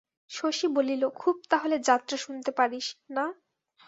শশী বলিল, খুব তাহলে যাত্রা শুনতে পারিস, না?